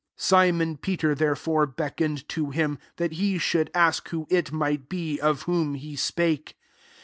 24 Simon Peter therefore beck oned to him, that he should ask who it might be, of whom he spake.